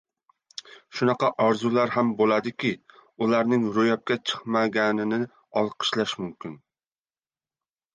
— Shunaqa orzular ham bo‘ladiki, ularning ro‘yobga chiqmaganini olqishlash mumkin.